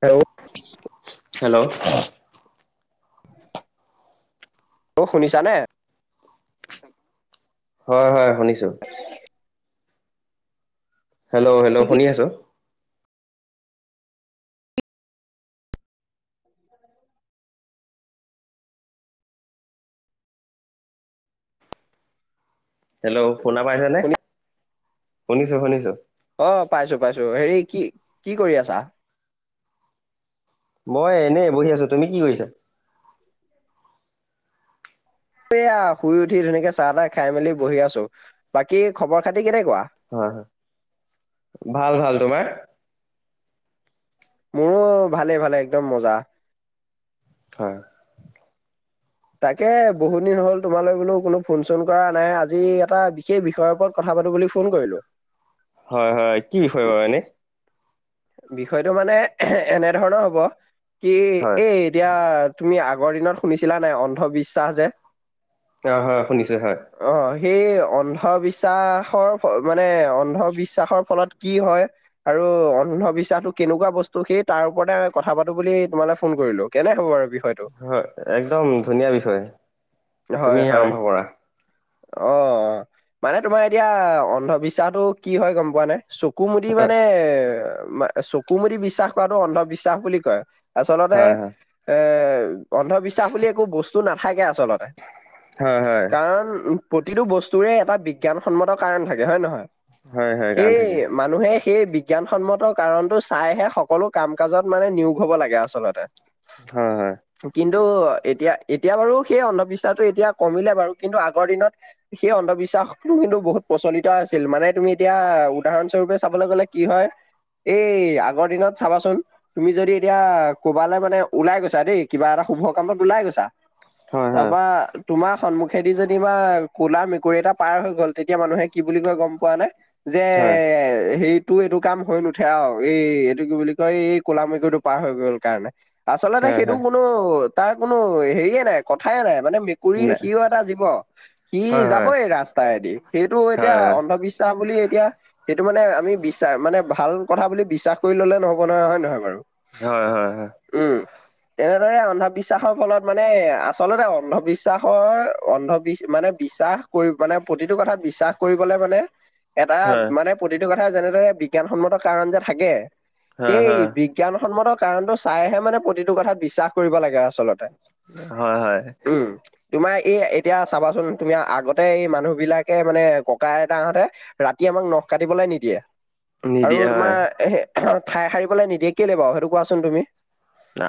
Hello? Hello? অ' শুনিছানে? হয় হয় শুনিছোঁ। হেল্ল' হেল্ল' শুনি আছো। হেল্ল' শুনা পাইছে নে? শুনি শুনিছো শুনিছো। অ' পাইছো পাইছো হেৰি কি কি কৰি আছা? মই এনেই বহি আছো, তুমি কি কৰিছা? য়া শুই উঠি ধুনীয়াকে চাহ তাহ খাই মেলি বহি আছো। বাকী খবৰ খাতি কেনে হয় হয় ভাল ভাল, তোমাৰ? মোৰো ভালে ভালে একদম মজা। হয় তাকে বহুত দিন হ'ল তোমালৈ বোলো কোনো ফোন চোন কৰা নাই আজি এটা বিশেষ বিষয়ৰ ওপৰত কথা বুলি ফোন কৰিলো হয় হয় কি বিষয় বাৰু এনে বিষয়টো মানে এনে ধৰণৰ হব, কি হয় এই এতিয়া তুমি আগৰ দিনত শুনিছিলা নাই অন্ধবিশ্বাস যে অ' হয় শুনিছো হয়। অ', সেই অন্ধবিশ্বাসৰ মানে অন্ধবিশ্বাসৰ ফলত কি হয় আৰু অন্ধবিশ্বাসটো কেনেকুৱা বস্তু সেই তাৰ ওপতে কথা পাতো বুলি তোমালে ফোন কৰিলো, কেনে হ'ব বাৰু বিষ হয় একদম ধুনীয়া বিষয়, হয়, তুমি হয়। আৰম্ভ কৰা। অ' মানে তোমাৰ এতিয়া অন্ধবিশ্বাসটো কি হয় গম পোৱা নে-া চকু মুদি মানে, চকু মুদি বিশ্বাস কৰাটোক অন্ধবিশ্বাস বুলি কয়। হয় আচলতে, হয় এ অন্ধবিশ্বাস বুলি একো বস্তু নাথাকে আৰু চলতে, হয় হয় কাৰণ উ প্ৰতিটো বস্তুৰে এটা বিজ্ঞানসন্মত কাৰণ থাকে হয় নহয়, হয় হয় গান এই থাকে মানুহে সেই বিজ্ঞানসন্মত কাৰণটো চাইহে সকলো কাম কাজত মানে নিয়োগ হ'ব লাগে আচলতে। হয় হয় কিন কিন্ত এতিয়া এতিয়া বাৰু সেই অন্ধবিশ্বাসটো এতিয়া কমিলে বাৰু কিন্তু আগৰ দিনত সেই অন্ধবিশ্বাস টো কিন্তু বহুত প্ৰচলিত আছিল, মানে তুমি এতিয়া উদাহৰণস্বৰূপে চাবলৈ গলে কি হয় এই আগৰ দিনত চাবাচোন তুমি যদি এতিয়া ক'বালে মানে ওলাই গৈছা দেই কিবা এটা ভ কামত ওলাই গৈছা, হয় তাৰ পৰা তোমাৰ সন্মুখেদি যেনিবা ক'লা মেকুৰী এটা পাৰ হৈ গ'ল, তেতিয়া মানুহে কি বুলি কয় গম পোৱানে? যে হয় হয় সেইটো এইটো কাম হৈ নু উঠে আৰু, এই-এইটো কি বুলি কয় এই ক'লা মেকুৰীটো পাৰ হৈ গ'ল কাৰণে। আচলতে হয় সেইটো হয় কোনো তাৰ কোনো হেৰিয়ে নাই, কথায়ে নাই। মানে মেকুৰী ন সিও এটা জীৱ, সি হয় হয় যাবই ৰাস্তাইদি, সেইটো এতিয়া হয় অন্ধবিশ্বাস বুলি এতিয়া এইটো মানে আমি বিশ্বাস-মানে ভাল কথা বুলি বিশ্বাস কৰি ল'লে নহ'ব নহয়, হয় নহয় বাৰু? হয় হয় হয়। উম। তেনেদৰে অন্ধবিশ্বাসৰ ফলত মানে আচলতে অন্ধবিশ্বাসৰ অন্ধবিচ মান মানে বিশ্বাস কৰি মানে প্ৰতিটো কথাত বিশ্বাস কৰিবলে মানে এটা হয় মানে প্ৰতিটো কথা যেনেদৰে বিজ্ঞানসন্মত কাৰণ যে থাকে হয় হয় সেই বিজ্ঞানসন্মত কাৰণটো চাইহে মানে প্ৰতিটো কথাত বিশ্বাস কৰিব লাগে আচলতে। হয় হয়। উম। তোমাৰ এই এতিয়া চাবাচোন তুমি আগতে এই মানুহ বিলাকে মানে ককা আইতাহঁতে ৰাতি তোমাক নখ কাটিবলৈ নিদিয়ে। আৰু নিদিয়ে হয় তোমাৰ ঠাই সাৰিবলৈ নিদিয়ে, কেলৈ বাৰু সেইটো কোৱাচোন তুমি।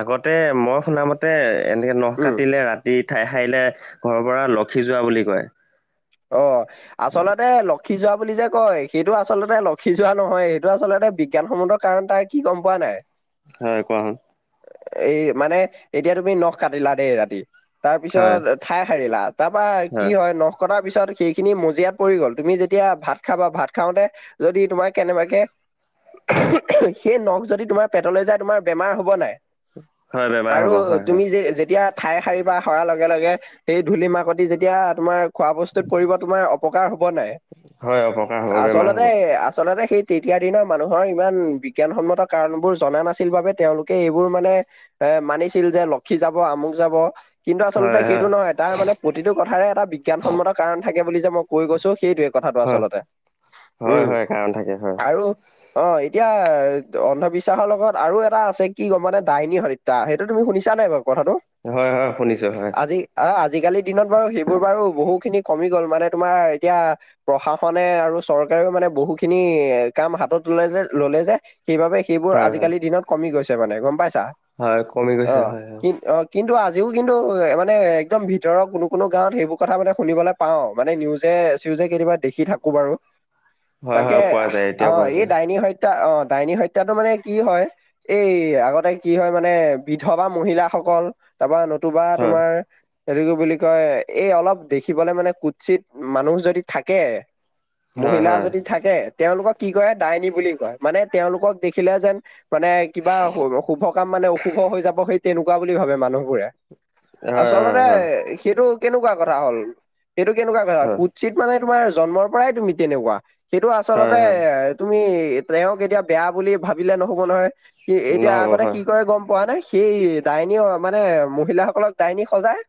আগতে মই শুনামতে, এনেকে নখ উম। কাটিলে ৰাতিত ঠাই সাৰিলে ঘৰৰ পৰা লক্ষী যোৱা বুলি কয়। অ', আচলতে ল লক্ষী যোৱা বুলি যে কয়, সেইটো আচলতে লক্ষী যোৱা নহয়, সেইটো আচলতে বিজ্ঞানসন্মত কাৰণ তাৰ কি গম পোৱা নাই। হয় কোৱাচোন। এই মানে এতিয়া তুমি নখ কাটিলা দেই ৰাতি হয় তাৰপিছত ঠাই সাৰিলা, তাৰপৰা কি হয় নখ কটাৰ পিছত সেইখিনি মজিয়াত পৰি গ'ল, তুমি যেতিয়া ভাত খাবা ভাত খাওঁতে যদি তোমাৰ কেনেবাকে সেই নখ যদি তোমাৰ পেটলৈ যায় তোমাৰ বেমাৰ হ'ব নাই? হয় বেমাৰ আৰু হ'ব হয় হয় তুমি যে-যেতিয়া ঠাই সাৰিবা সৰাৰ লগে লগে সেই ধূলি মাকতি যেতিয়া তোমাৰ খোৱা বস্তুত পৰিব, তোমাৰ অপকাৰ হ'ব নাই, হয় অপকাৰ হ'ব বেমাৰ হ'ব আচলতে-আচলতে সেই তেতিয়াৰ দিনৰ মানুহৰ ইমান বিজ্ঞানসন্মত কাৰণবোৰ জনা নাছিল বাবে তেওঁলোকে এইবোৰ মানে এ মানিছিল যে লক্ষী যাব আমুক যাব, কিন্তু আচলতে হয় হয় সেইটো নহয় তাৰ মানে প্ৰতিটো কথাৰে এটা বিগ বিজ্ঞানসন্মত কাৰণ থাকে বুলি যে মই কৈ গৈছো, সেইটোৱে কথাটো আচলতে, উম। এ হয়। আৰু অ', এতিয়া অন্ধবিশ্বাসৰ লগত আৰু এটা আছে কি গম পোৱানে, ডাইনী হত্যা, সেইটো তুমি শুনিছা নাই বাৰু? কথাটো, হয় হয় শুনিছো হয় আজি-আজিকালিৰ দিনত বাৰু সেইবোৰ বাৰু খিনি কমি গ'ল, মানে তোমাৰ এতিয়া প্ৰশাসনে আৰু চৰকাৰেও মানে বহু খিনি কাম হাতত তুলাই যে ল'লে যে, সেইবাবে সেইবোৰ হয় হয় আজিকালিৰ দিনত কমি গৈছে মানে, গম পাই ছা, হয় কমি গৈছে অ' হয় হয় কি অ' কিন্তু আজিও কিন্তু মানে একদম ভিতৰৰ কোনো কোনো গাঁৱত সেইবোৰ কথা মানে শুনিবলৈ পাওঁ, মানে নিউজে চিউজে কেতিয়াবা দেখি থাকো বাৰু হয় তাকে হয় পোৱা যায় এতিয়াও অ' পোৱা এই যায় ডাইনী হয়ত তা অ' দাইনী হত্যাটো মানে কি হয়, এই আগতে কি হয় মানে বিধ বা মহিলা অকল তাৰপৰা নতুবা হয় তোমাৰ সেটো বুলি কয় এই অলপ দেখিবলে মানে কুৎচিত মানুহ যদি থাকে, হয় মহিলা হয় যদি থাকে তেওঁলোকক কি কৰে ডাইনী বুলি কয়। মানে তেওঁলোকক দেখিলে যেন মানে কিবা শুভ কাম মানে অশুভ হৈ যাব সেই তেনেকুৱা বুলি ভাবে মানুহবোৰে। হয় হয় আচলতে হয় সেইটো কেনেকুৱা কথা হ'ল, সেইটো কেনেকুৱা কথা, হয় কুৎসিত মানে তোমাৰ জন্মৰ পৰাই তুমি তেনেকুৱা। সেইটো হয় আচলতে হয় তুমি তেওঁক এতিয়া বেয়া বুলি ভাবিলে নহ'ব নহয়। কি এতিয়া নহ'ব আগতে হয় কি কৰে গম পোৱা নে সেই ডাইনী মানে মহিলাসকলক ডাইনী সজাই,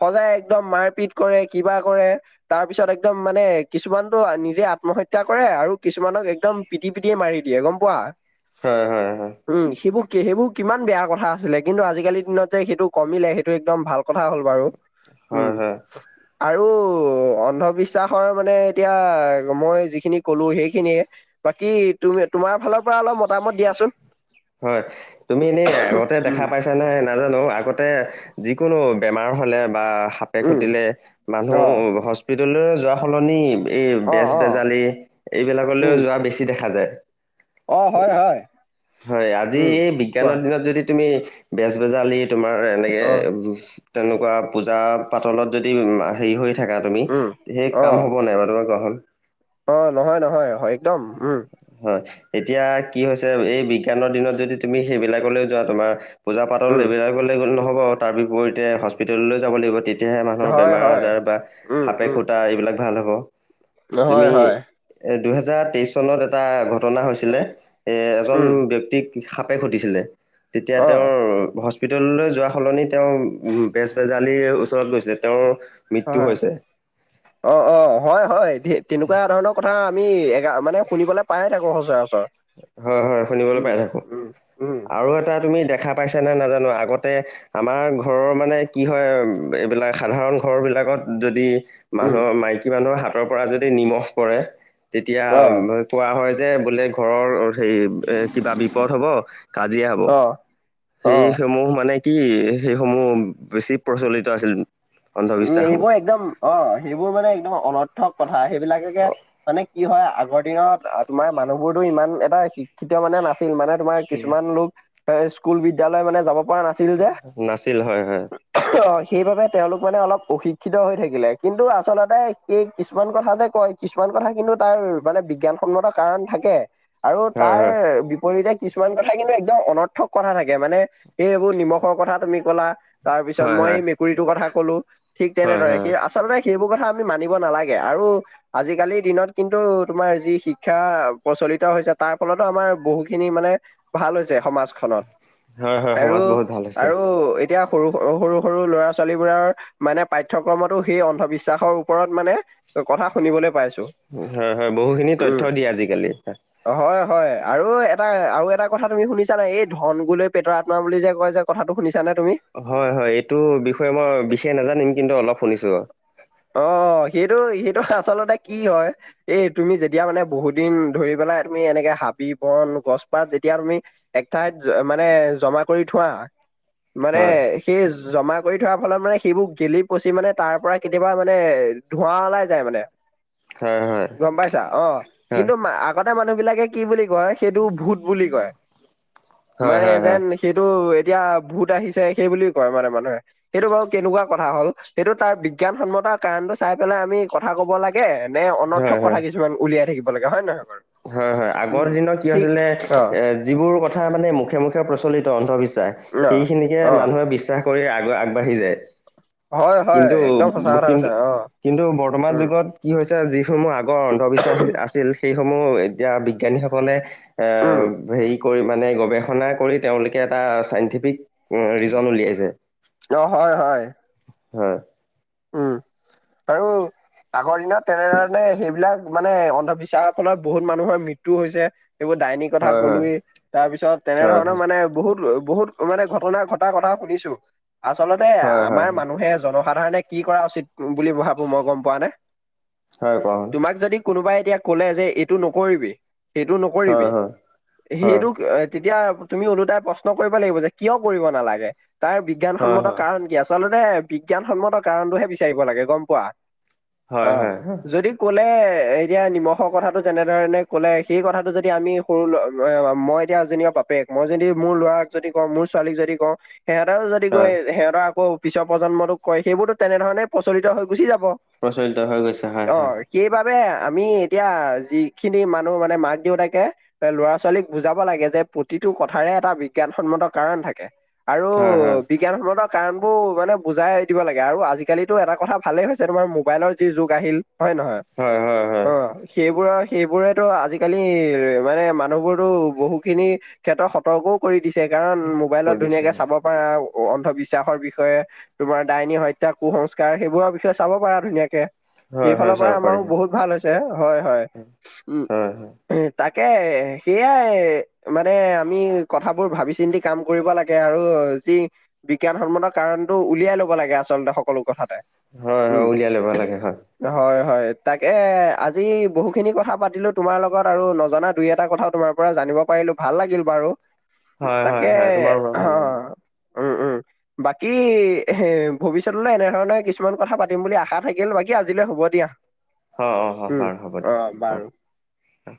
সজাই একদম মাৰপি পিট কৰে, কিবা কৰে, তাৰ পিছত একদম মানে কিছুমানেতটো নিজে আত্মহত্যা কৰে আৰু কিছ কিছুমানক একদম পিটি পিটিয়ে মাৰি দিয়ে গ'ম পোৱা হয় হয় হয় উম, সেইবোৰ সেইবোৰ কিমান বেয়া কথা আছিলে। কিন্তু আজিকালি দিনত যে সেইটো কমিলে, সেইটো একদম ভাল কথা হ'ল বাৰু উম। হয় হয়। আৰু অন্ধবিশ্বাসৰ মানে এতিয়া মই যিখিনি কলো সেইখিনিয়ে বাকী তুমি তোমাৰ ফালৰ পৰা অলপ মতামত দিয়াচোন। হয় তুমি এনেই আগতে উম, দেখা পাইছা নে নাজানো আগতে যিকোনো বেমাৰ হ'লে বা সাপে উম, খুটিলে মানুহ অ', হস্পিতালৰ যোৱা সলনি এই অ', অ', বেজ-বেজালি এইবিলাকলৈও উম, যোৱা বেছি দেখা যায়। অ', হয়, হয়, হয়, আজি উম, এই কোৱা বিজ্ঞানৰ দিনত যদি তুমি বেজ বেজালিৰ তোমাৰ এনেকে অ', তেনেকুৱা পূজা পাতলত যদি হেৰি হৈ থাকা তুমি উম। সেই কাম অ', হ'ব নাই ব তোমাৰ কোৱা হোন অ, নহয়, নহয়, হয় একদম উম। এতিয়া কি হৈছে এই বিজ্ঞানৰ দিনত যদি তুমি সেইবিলাকলৈ যোৱা তোমাৰ পূজা পাতল উম, এইবিলাকলে গ'ল নহ'ব। তাৰ বিপৰীতে হস্পিটেললৈ যাব লাগিব তি তেতিয়াহে মানুহৰ হয়, বেমাৰ হয়। আজাৰ বা উম, সাপে উম, খুটা এইবিলাক ভাল হ'ব। হয়, তুমি হয়, এ দুহেজাৰ তেইশ চনত এটা ঘটনা হৈছিলে। এ এজন উম, ব্যয়ক্তিক সাপে খুটিছিলে তেতিয়া তেওঁৰ অ', হস্পি হস্পিটললৈ যোৱা সলনি তেওঁ বেজবেজালিৰ ওচৰত গৈছিলে তেওঁ হয়, অ, অ, হয়, হয় তেনেকুৱা ধৰণৰ কথা। আমি এ মানে শুনিবলৈ পাইে থাকো সচৰাচৰ হয়, হয়, শুনিবলৈ উম, পাই থাকো উম, উম, আৰু এটা তুমি দেখা পাইছে নে নাজানো আগতে আমাৰ ঘৰৰ মানে কি হয় এইবিলাক সাধাৰণ ঘৰ বিলাক বিলাগত যদি উম। মানুহৰ মাইকী মানুহৰ হাতৰ পৰা যদি নিমখ পৰে তেতিয়া অ', কোৱা হয় যে বোলে ঘৰৰ হে এ কিবা বিপদ হ'ব, কাজিয়া হ'ব। অ', সেই অ', সমূহ মানে কি সেইসমূহ বেছি প্ৰচলিত আছিল। উম, অন্ধবিশ্বাসসমূহ এইবোৰ একদম অ সেইবোৰ মানে একদম অনৰ্থক কথা সেইবিলাকেকে অ, মানে কি হয় আগৰ দিনত তোমাৰ মানুহ বোৰতো ইমান এটা শিক্ষিত মানে নাচ ছিল মানে তোমাৰ উম, কিছুমান লোক স্কুল বিদ্যালয় মানে যাব কোৱা নাছিল যে নাছিল হয় হয় সেই বাবে তেওঁলোক মানে অলপ প্ৰশিক্ষিত হৈ থাকিলে, কিন্তু আচলতে সেই কিছুমান কথা যে কয় কিছুমান কথা কিন্তু তাৰ মানে বিজ্ঞানসন্মত কাৰণ থাকে আৰু হয় তাৰ হয় বিপৰীতে কিছুমান কথা কিন্তু একদম অনৰ্থক কথা থাকে মানে, এই সেইবোৰ নিমখৰ কথা তুমি কলা তাৰ পিছত হয় মই হয় সেই মেকুৰীটোৰ কথা কলো, ঠিক হয় তেনেদৰে হয় সেই আচলতে সেইবোৰ কথা আমি মানিব নালাগে আৰু আজিকালিৰ দিনত কিন্তু তোমাৰ যি শিক্ষা প্ৰচ নিকা হৈছে, তাৰ ফলতো আমাৰ বহুখিনি মানে ভাল হৈছে সমাজখনত। হয় হয় আৰু সমাজ বহুত ভাল হৈছে আৰু এতিয়া সৰু সৰু সৰু ল'ৰা ছোৱালী ৰা মানে পাঠ্যক্ৰমতো সেই অন্ধবিশ্বাসৰ ওপৰত মানে কথা শুনিবলৈ পাইছো। হয় হয় বহুখিনি তথ্য উম, দিয়ে আজিকালি। হয় হয় আৰু এটা আৰু এটা কথা তুমি শুনিছা ন এই ধন গোলৈ পেটৰ আত্মা বুলি যে কয় যে কথাটো শুনিছা। হয় হয় এইটো বিষয়ে মই বিশষ নাজানিম কিন্তু অলপ শুনিছো আৰু। অ', সেইটো সেইটো আচলতে কি হয়, এই তুমি যেতিয়া মানে বহুত দিন ধৰি পেলাই তুমি এনেকে বি বন গছ পাত যেতিয়া তুমি এক ঠাইত মানে জমা কৰি থোৱা। মানে হয় সেই জমা কৰি থোৱাৰ ফলত মানে সেইবোৰ গেলি পচি মানে তাৰ পৰা কেতিয়াবা মানে ধোঁৱা ওলাই যায় মানে। হয় হয় গ'ম পাইছা, অ' হয় কিন্তু আগতে মানুহ বিলাকে কি বুলি কয় কয় সেইটো ভূত বুলি কয় হয় মানে হয় যেন হয় সেইটো এতিয়া ভূত আহিছে, সেই বুলি কয় মানে মানুহে সেইটো বাৰু কেনেকুৱা কথা হ'ল, এইেইটো তাৰ বিজ্ঞানসন্মতাৰ কাৰণটো চাই পেলাই আমি কথা ক'ব লাগে। নে হয় অনৰ্থক হয় কথা কিছুমান উলিয়াই থাকিব লাগে হয় নহয়। বাৰু হয় হয় আগৰ উম দিনৰত কি ঠিক হৈছিলে অ এ যিবোৰ কথা মানে মুখে মুখে প্ৰচলিত অন্ধবিশ্বাস সেইখিনিকে অ অ মানুহে বিশ্বাস কৰি আগ আগবাঢ়ি যায়। হয় হয় কিন্তু একদম সঁচা কথা কিন্তু কৈছা অ কিন্তু বৰ্তমান উম যুগত কি হৈছে যি যিসমূহ আগৰ অন্ধবিশ্বাস আছিল সেইসমূহ এতিয়া বিজ্ঞানীসকলে এ উম হে কৰি মানে গৱেষণা কৰি তেওঁলোকে এটা চাইন্টিফিক ৰিজন উলিয়াইছে। অ' হয় হয়। হয় উ, আৰু আগৰ দিনত তেনেধৰণে সেইবিলাক মানে অন্ধবিশ্বাসৰ ফলত বহুত মানুহৰ মৃত্যু হৈছে। এইবোৰ ডাইনী কথা হয় হয় কলোৱেই, তাৰ পিছত তেনে হয় ধৰণৰ মানে বহুত বহুত মানে ঘটনা ঘটাৰ কথা শুনিছো, আচলতে হয় হয় আমাৰ মানুহে জনসাধাৰণে কি কৰা উচিত বুলি ভাবো মই গম পোৱা নে। হয়, কন তোমাক যদি কোনোবাই এতিয়া ক'লে যে এইটো নকৰিবি সেইটো হয় নকৰিবি হয় হয় সেইটো তেতিয়া তুমি ওলোটাই প্ৰশ্ন কৰিব লাগিব, যে কিয় কৰিব নালাগে তাৰ হয় বিজ্ঞানসন্মত হয় কাৰণ কি? আচলতে বিজ্ঞানসন্মত কাৰণটোহে বিচাৰিব লাগে গম পোৱা। হয় অ', হয় হা যদি ক'লে এতিয়া নিমখৰ কথাটো যেনেধৰণে ক'লে সেই কথাটো যদি আমি সৰু মই এতিয়া যেনিবা বাপেক মই যদি মোৰ ল'ৰাক যদি কওঁ মোৰ ছোৱালীক যদি কওঁ সিহঁতেও যদি কয় হয় সিহঁতৰ আকৌ পিছৰ প্ৰজন্মতোক কয় সেইবোৰতো তেনেধৰণে প্ৰচলিত হৈ গুচি যাব। ব, প্ৰচলিত হৈ গৈছে হয় হয় অ' সেইবাবে বাবে আমি এতিয়া যিখিনি মানুহ মানে মাক দেউতাকে ল'ৰা ছোৱালীক বুজাব লাগে। যে প্ৰতিটো কথাৰে এটা বিজ্ঞানসন্মত কাৰণ থাকে। আৰু হয় হয় বিজ্ঞানসন্মতৰ কাৰণ বোৰ মানে বুজাই দিব লাগে। আৰু আ আজিকালিতো এটা কথা ভালেই হৈছে, তোমাৰ মোবাইলৰ যি যুগ আহিল হয় নহয়, হয় হয় হয় অ' সেইবোৰ সেইবোৰেতো আজিকালি মানে মানুহ বোৰতো বহু খিনি ক্ষেত্ৰত সতৰ্কও কৰি দিছে কাৰণ মোবাইলত কৰি দিছে ধুনীয়াকে চাব পাৰে অন্ধবিশ্বাসৰ বিষয়ে, তোমাৰ ডাইনী হয়ত এয়া কুস্কাৰ সেইবোৰৰ বিষয়ে চাব পাৰা ধুনীয়াকে। হয় হয় সেইফালৰ পৰা চাব পাৰি আমাৰো হয় বহুত ভাল হৈছে, হয় হয় উ হয় তাক তাকে সেইয়াই মানে আমি কথাবোৰ ভাবি চিন্তি কাম কৰিব লাগে। আৰু যি বিজ্ঞানসন্মত কাৰণটো উলিয়াই লব লাগে আচলতে সকলো কথাতে। হয় হয় উম উলিয় ল'ব লাগে, হয়। হয় হয় তাকে, আজি বহু খিনি কথা পাতিলো তোমাৰ লগত। আৰু নজনা দুই এটা কথা তোমাৰ পৰা জান জানিব পাৰিলো ভাল লাগিল বাৰু হয় হয় তাকে হয় তোমাৰ পৰা অ ভাল লাগিল উম উম বাকী ভৱিষ্যত এনেধৰণে কিছুমান কথা পাতিম বুলি আশা থাকিল বাকী আজিলৈ হ'ব দিয়া অ অ হ উম বাৰু হ'ব দিয় অ বাৰু অ